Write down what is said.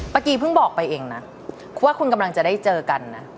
กีเพิ่งบอกไปเองนะว่าคุณกำลังจะได้เจอกันนะ